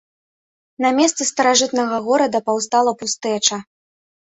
На месцы старажытнага горада паўстала пустэча.